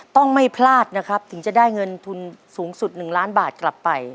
ต้องไม่พลาดนะครับถึงจะได้เงินทุนสูงสุด๑ล้านบาทกลับไป